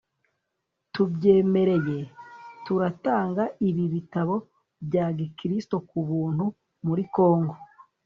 tubyemereye Turatanga ibi bitabo bya gikristo KUBUNTU muri congo